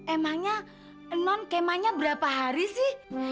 emangnya non kemanya berapa hari sih